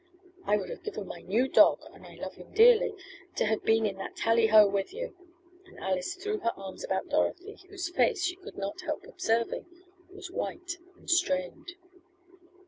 I would have given my new dog (and I love him dearly) to have been in that tally ho with you," and Alice threw her arms about Dorothy, whose face, she could not help observing, was white and strained.